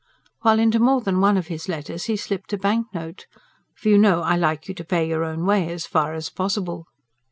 While into more than one of his letters he slipped a banknote. FOR YOU KNOW I LIKE YOU TO PAY YOUR OWN WAY AS FAR AS POSSIBLE.